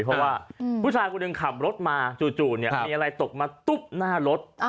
เพราะว่าผู้ชายคนหนึ่งขับรถมาจู่มีอะไรตกมาตุ๊บหน้ารถ